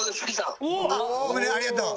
あっごめんねありがとう。